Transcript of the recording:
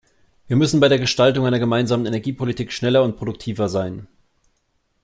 Wir müssen bei der Gestaltung einer gemeinsamen Energiepolitik schneller und produktiver sein.